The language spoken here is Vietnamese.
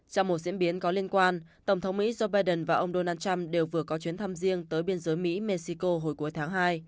trong một diễn biến có liên quan tổng thống mỹ joe biden và ông donald trump đều vừa có chuyến thăm riêng tới biên giới mỹ mexico hồi cuối tháng hai